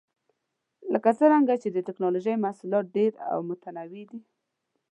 لکه څنګه چې د ټېکنالوجۍ محصولات ډېر او متنوع دي.